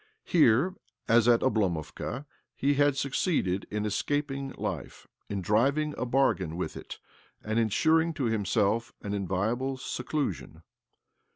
'Here, as at Oblomovka, he had succeeded in escaping life, in driving a bargain with it, and ensuring to himself an inviolable seclusion.